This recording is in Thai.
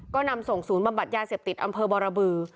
ก็นำส่งศูนย์บำบัดยาเสพติดอำเภอบรบือ